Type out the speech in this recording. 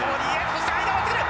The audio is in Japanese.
そして間を割ってくる！